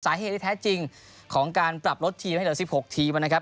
สาเหตุที่แท้จริงของการปรับลดทีมให้เหลือ๑๖ทีมนะครับ